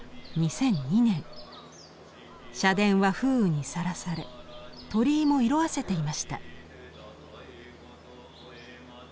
社殿は風雨にさらされ鳥居も色あせていました。